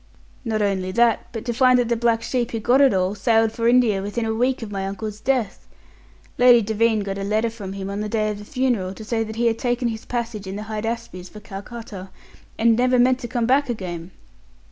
"Not only that, but to find that the black sheep who got it all sailed for India within a week of my uncle's death! Lady Devine got a letter from him on the day of the funeral to say that he had taken his passage in the Hydaspes for Calcutta, and never meant to come back again!"